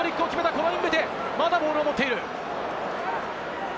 コロインベテ、まだボールを持っている。